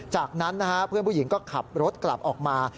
จากนั้นนะฮะเพื่อนผู้หญิงก็ขับรถกลับออกมา